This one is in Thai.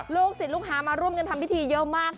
ลูกศิษย์ลูกหามาร่วมกันทำพิธีเยอะมาก